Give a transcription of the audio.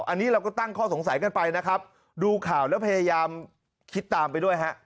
อันนี้เราก็ตั้งข้อสงสัยกันไปนะครับดูข่าวแล้วพยายามคิดตามไปด้วยฮะ